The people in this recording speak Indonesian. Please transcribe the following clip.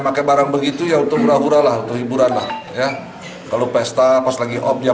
pakai barang begitu ya untuk berakhir allah beribur anak ya kalau pesta pas lagi obyek